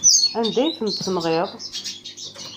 Anda ay tent-tenɣiḍ?